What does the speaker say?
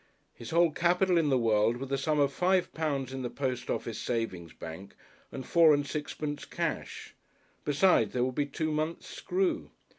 His whole capital in the world was the sum of five pounds in the Post Office Savings Bank and four and sixpence cash. Besides there would be two months' screw.